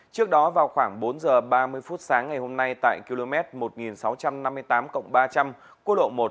trước đó vào khoảng bốn giờ ba mươi phút sáng ngày hôm nay tại km một nghìn sáu trăm năm mươi tám ba trăm linh quốc lộ một